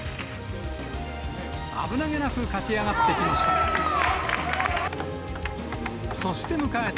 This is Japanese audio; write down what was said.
危なげなく勝ち上がってきました。